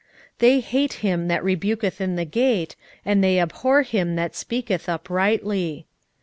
5:10 They hate him that rebuketh in the gate, and they abhor him that speaketh uprightly.